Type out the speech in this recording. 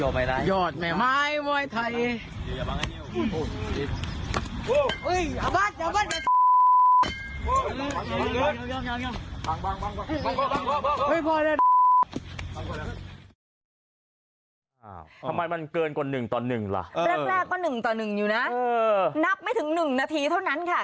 เป็นแรกก้๑ต่อ๑อยู่นะนับไม่ถึง๑นาทีเท่านั้นค่ะ